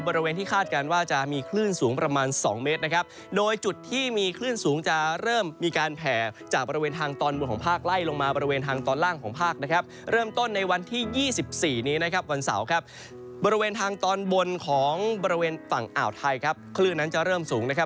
บริเวณทางตอนบนของบริเวณฝั่งอ่าวไทยครับคลื่นนั้นจะเริ่มสูงนะครับ